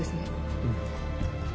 うん。